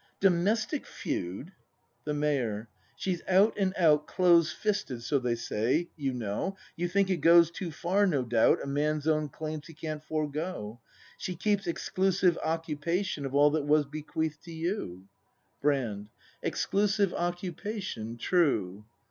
Domestic feud ? The Mayor. She's out and out Close fisted, so they say, you know. You think it goes too far, no doubt. A man's own claims he can't forego. She keeps exclusive occupation Of all that was bequeath'd to you. ACT III] BRAND 125 Brand. Exclusive occupation, true.